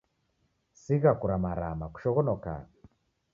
Sigha kuramarama, kushoghonoka